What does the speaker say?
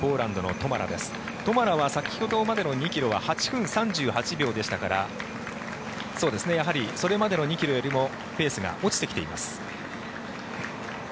トマラは先ほどまでの２ｋｍは８分３８秒でしたからそれまでの２ｋｍよりもペースが落ちてきています。